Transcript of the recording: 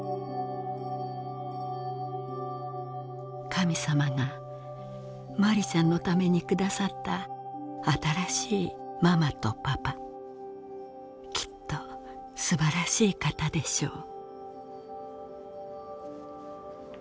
「神様がマリちゃんの為に下さった新しいママとパパきっとすばらしい方でしょう」。